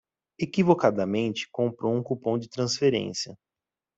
Equivocadamente comprou um cupom de transferência